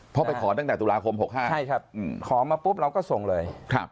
พอไปขอตั้งแต่ตุลาคม๑๙๖๕ใช่ครับขอมาปุ๊บเราก็ส่งเลย